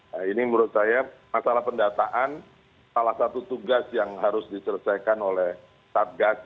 nah ini menurut saya masalah pendataan salah satu tugas yang harus diselesaikan oleh satgas